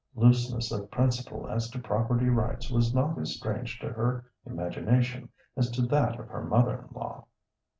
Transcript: Looseness of principle as to property rights was not as strange to her imagination as to that of her mother in law.